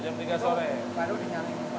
sampai jam tiga sore